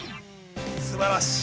◆すばらしい。